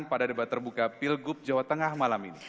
pada debat terbuka pilgub jawa tengah malam ini